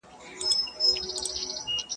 له بدو څخه ښه زېږي، له ښو څخه واښه.